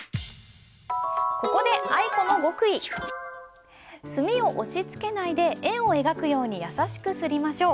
ここで墨を押しつけないで円を描くように優しく磨りましょう。